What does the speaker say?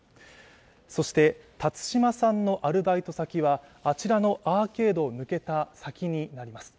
そして、辰島さんのアルバイト先はあちらのアーケードを抜けた先にあります。